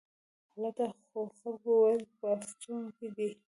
هلته خلکو ویل په افسون کې دی.